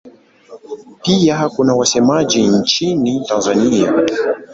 Pia kuna wasemaji nchini Tanzania.